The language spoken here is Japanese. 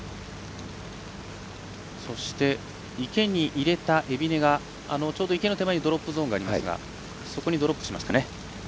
そして、池に入れた海老根がちょうど池の手前にドロップゾーンがありますがそこにドロップしました。